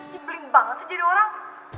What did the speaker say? jembling banget sih jadi orang